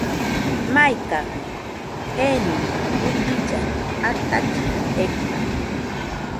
Maikajɨ genino tubillano atachiru eka.